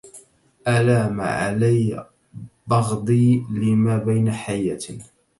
ألام على بغضي لما بين حية